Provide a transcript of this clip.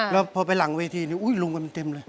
แล้วพอไปหลังวีธีอุ๊ยลุงเต็มเลย